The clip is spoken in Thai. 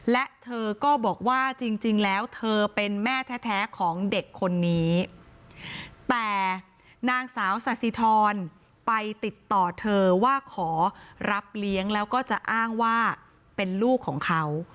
และเธอก็บอกว่าจริงแล้วเธอเป็นแม่แท้ของเด็กคนนี้แต่นางสาวสาธิธรไปติดต่อเธอว่าขอรับเลี้ยงแล้วก็จะอ้างว่าเป็นลูกของเขา